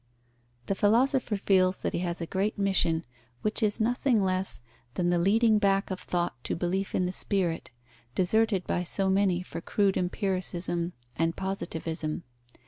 The philosopher feels that he has a great mission, which is nothing less than the leading back of thought to belief in the spirit, deserted by so many for crude empiricism and positivism.